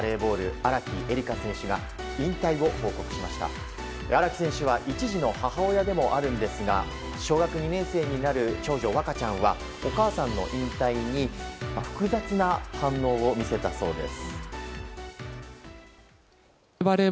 荒木選手は１児の母親でもあるんですが小学２年生になる長女和香ちゃんはお母さんの引退に複雑な反応を見せたそうです。